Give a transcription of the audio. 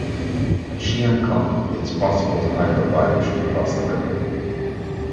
At Chiang Khong it is possible to hire a barge to cross the river.